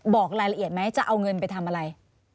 บอกรายละเอียดไหมจะเอาเงินไปทำอะไร